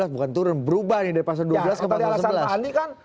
bukan turun berubah nih dari pasal dua belas ke pasal sebelas